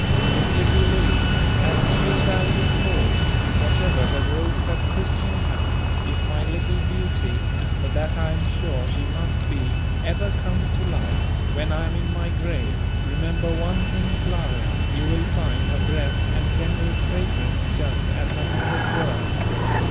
If little Lily, as she shall be called, whatever the rogues have christened her, if my little beauty for that I am sure she must be ever comes to light, when I am in my grave, remember one thing, Clara, you will find her breath and general fragrance just as her mother's were.